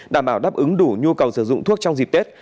đảm bảo đáp ứng đủ nhu cầu sử dụng thuốc trong dịp tết